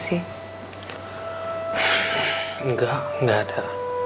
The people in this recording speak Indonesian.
tidak tidak ada